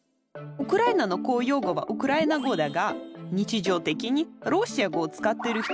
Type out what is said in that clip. ウクライナの公用語はウクライナ語だが日常的にロシア語を使っている人もたくさんいる。